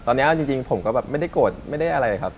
ตอนนี้เอาจริงผมก็แบบไม่ได้โกรธไม่ได้อะไรครับ